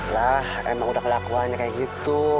lah emang udah kelakuannya kayak gitu